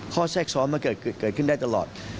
แทรกซ้อนมันเกิดขึ้นได้ตลอด